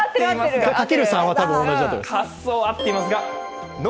発想は合っていますが。